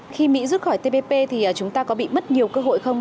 khi mỹ rút khỏi tpp thì chúng ta có bị mất nhiều cơ hội không